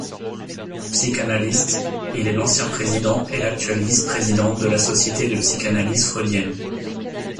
Psychanalyste, il est l'ancien président et l'actuel vice-président de la Société de psychanalyse freudienne.